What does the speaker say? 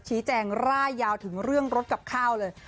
ชี้แจงร่ายยาวถึงเรื่องรถกับข้าวเลย